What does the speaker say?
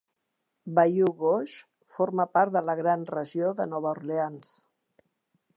Bayou Gauche forma part de la gran regió de Nova Orleans.